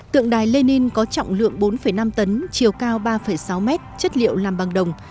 tượng đài lenin có trọng lượng bốn năm tấn chiều cao ba sáu mét chất liệu làm bằng đồng